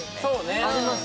あります